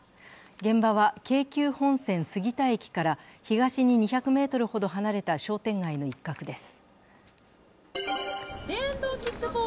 現場は京急本線杉田駅から東に２００ｍほど離れた商店街の一角です。